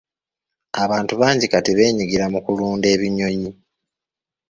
Abantu bangi kati beenyigira mu kulunda ebinyonyi.